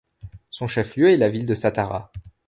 Son chef-lieu est la ville de Satara.